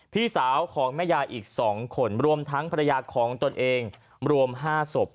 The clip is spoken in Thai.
พี่สาวของแม่ยายอีก๒คนรวมทั้งภรรยาของตนเองรวม๕ศพ